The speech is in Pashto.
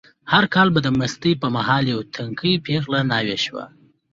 هر کال به د مستۍ په مهال یوه تنکۍ پېغله ناوې شوه.